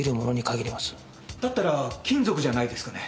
だったら金属じゃないですかね？